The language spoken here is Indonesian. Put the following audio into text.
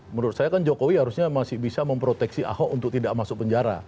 menurut saya kan jokowi harusnya masih bisa memproteksi ahok untuk tidak masuk penjara